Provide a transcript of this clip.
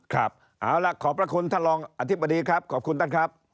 ครับเอาล่ะขอบพระคุณท่านรองอธิบดีครับขอบคุณท่านครับ